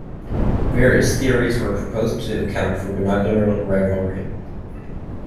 Various theories were proposed to account for binocular rivalry.